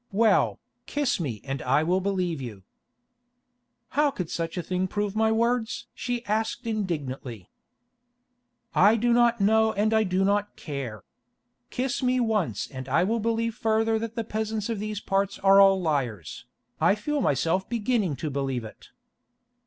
"Well, kiss me and I will believe you." "How could such a thing prove my words?" she asked indignantly. "I do not know and I do not care. Kiss me once and I will believe further that the peasants of these parts are all liars. I feel myself beginning to believe it."